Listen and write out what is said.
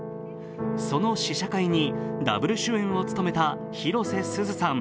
その試写会にＷ主演を務めた広瀬すずさん